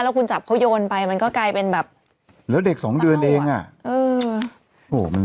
แล้วคุณจับเขาโยนไปมันก็กลายเป็นแบบแล้วเด็กสองเดือนเองอ่ะเออมัน